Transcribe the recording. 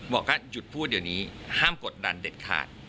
บอกว่าหยุดพูดเดี๋ยวนี้ห้ามกดดันเด็ดขาด